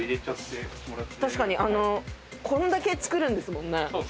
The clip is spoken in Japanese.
こんだけ作るんですもんね。